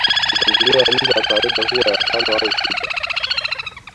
Mipangilio ya nyimbo ya kawaida huwa ya tano au sita